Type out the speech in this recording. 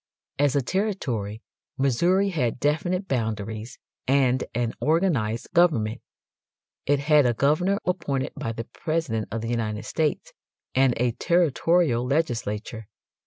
As a territory Missouri had definite boundaries and an organized government. It had a governor appointed by the President of the United States, and a territorial legislature.